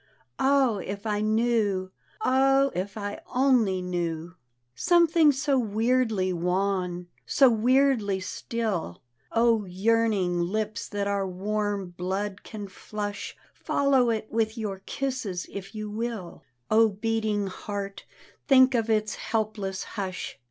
Ah, if I knew, — ah, if I only knew I Something so weirdly wan, so weirdly still I O yearning lips that our warm blood can flush, Follow it with youi kisses, if you will; O beating heart, think of its helpless hush.